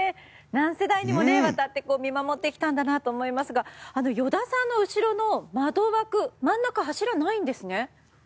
何世代にもわたって見守ってきたんだなと思いますが依田さんの後ろの窓枠真ん中、柱がないんですね。